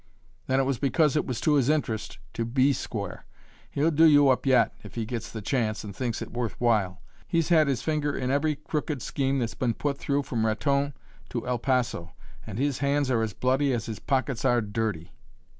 "Then it was because it was to his interest to be square. He'll do you up yet, if he gets the chance and thinks it worth while. He's had his finger in every crooked scheme that's been put through from Raton to El Paso, and his hands are as bloody as his pockets are dirty."